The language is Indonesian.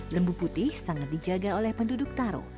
lembu putih sangat dijaga oleh penduduk taro